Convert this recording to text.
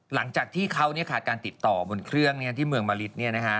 หลังจากที่เขาเนี่ยขาดการติดต่อบนเครื่องเนี่ยที่เมืองมาริชเนี่ยนะฮะ